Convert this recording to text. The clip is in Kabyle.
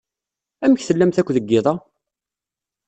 Amek tellamt akk deg yiḍ-a?